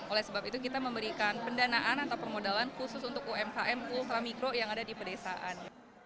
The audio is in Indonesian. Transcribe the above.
oleh sebab itu kita memberikan pendanaan atau permodalan khusus untuk umkm ultramikro yang ada di pedesaan